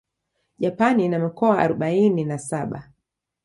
Japan ina mikoa arubaini na saba.